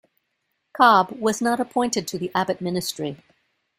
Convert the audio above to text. Cobb was not appointed to the Abbott Ministry.